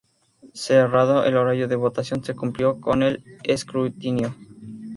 Cerrado el horario de votación se cumplió con el escrutinio.